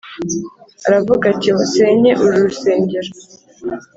Aravuga ati “musenye uru rusengero”